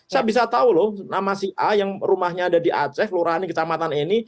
saya bisa tahu loh nama si a yang rumahnya ada di aceh lurani kecamatan ini